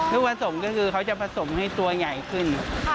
ลูกผสมก็คือเขาจะผสมให้ตัวใหญ่ขึ้น